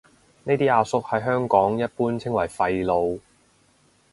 呢啲阿叔喺香港一般稱為廢老